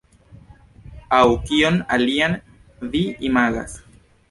Aŭ kion alian vi imagas?